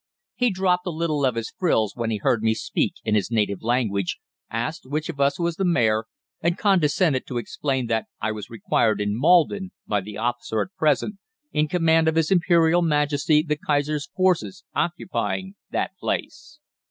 "He dropped a little of his frills when he heard me speak in his native language, asked which of us was the Mayor, and condescended to explain that I was required in Maldon by the officer at present in command of his Imperial Majesty the Kaiser's forces occupying that place.